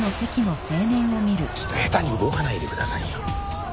ちょっと下手に動かないでくださいよ。